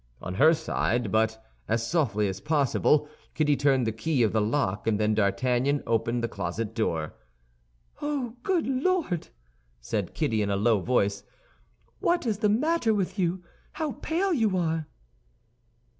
On her side, but as softly as possible, Kitty turned the key of the lock, and then D'Artagnan opened the closet door. "Oh, good Lord!" said Kitty, in a low voice, "what is the matter with you? How pale you are!"